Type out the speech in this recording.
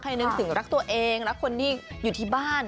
นึกถึงรักตัวเองรักคนที่อยู่ที่บ้าน